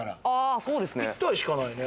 一体しかないね。